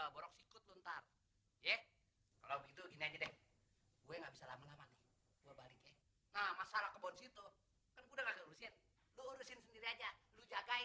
begitu ngeliat abang minta izin buat berhenti kerja